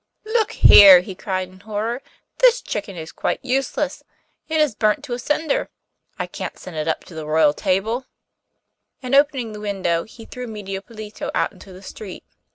'Look here!' he cried in horror, 'this chicken is quite useless. It is burnt to a cinder. I can't send it up to the royal table;' and opening the window he threw Medio Pollito out into the street.